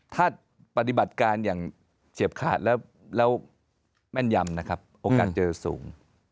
ถ้าปฏิบัติการอย่างเฉียบขาดแล้วแม่นยำนะครับโอกาสเจอสูง